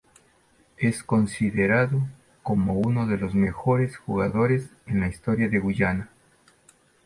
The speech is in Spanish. Es considerado como uno de los mejores jugadores en la historia de Guyana.